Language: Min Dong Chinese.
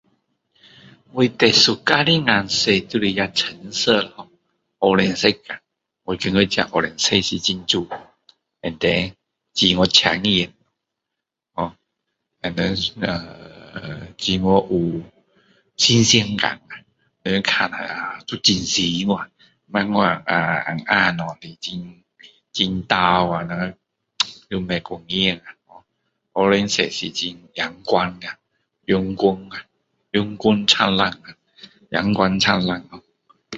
我最喜欢的颜色就是那个oren色oren色我觉得它很美and then超抢眼ho呃很有新鲜感有精神去不是暗暗的很down吖oren色真的很阳光阳光灿烂阳光灿烂